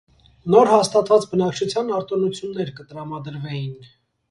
Նոր հաստատուած բնակչութեան արտօնութիւններ կը տրամադրուէին։